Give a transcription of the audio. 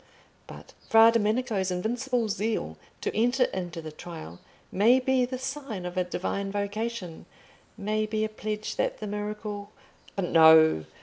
But Fra Domenico's invincible zeal to enter into the trial may be the sign of a Divine vocation, may be a pledge that the miracle—" But no!